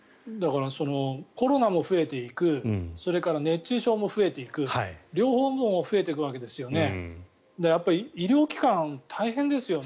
コロナも増えていくそれから熱中症も増えていく両方増えていくわけですよね。